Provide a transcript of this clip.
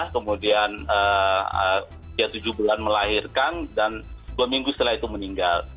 kemudian dia tujuh bulan melahirkan dan dua minggu setelah itu meninggal